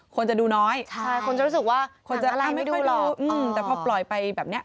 คนจะดูน้อยคนจะรู้สึกว่าหนังอะไรไม่ดูหรอกอืมแต่พอปล่อยไปแบบนี้